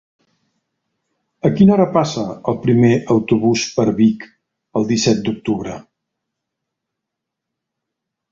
A quina hora passa el primer autobús per Vic el disset d'octubre?